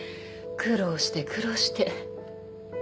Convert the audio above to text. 苦労して苦労して。